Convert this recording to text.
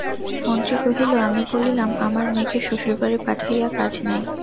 মন্ত্রী কহিল, আমি বলিলাম, আর মেয়েকে শ্বশুরবাড়ি পাঠাইয়া কাজ নাই।